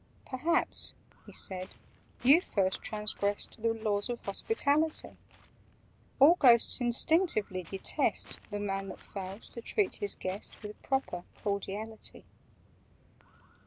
"Perhaps," he said, "you first transgressed The laws of hospitality: All Ghosts instinctively detest The Man that fails to treat his guest With proper cordiality.